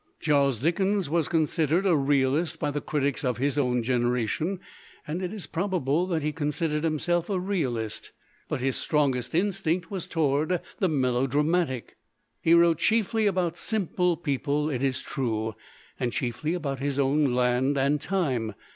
"Charles Dickens was considered a realist by the critics of his own generation, and it is prob able that he considered himself a realist. But his strongest instinct was toward the melodra matic. He wrote chiefly about simple people, it is true, and chiefly about his own land and time.